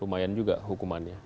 lumayan juga hukumannya